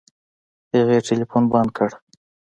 هغې ټلفون بند کړ.